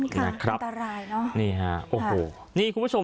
นี่คุณผู้ชมนะครับ